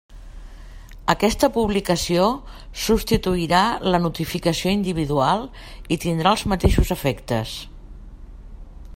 Aquesta publicació substituirà la notificació individual i tindrà els mateixos efectes.